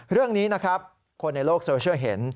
เรื่องนี้นะครับคนในโลกโซเชียลเห็น